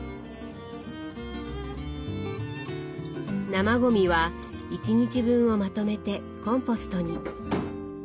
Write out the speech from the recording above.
生ゴミは１日分をまとめてコンポストに。